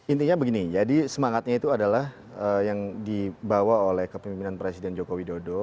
intinya begini jadi semangatnya itu adalah yang dibawa oleh kepemimpinan presiden joko widodo